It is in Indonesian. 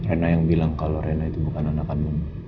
rena yang bilang kalau rena itu bukan anak kandung